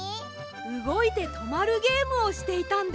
うごいてとまるゲームをしていたんです。